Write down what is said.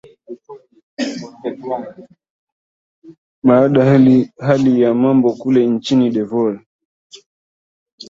baada ya hali ya mambo kule nchini cote de voire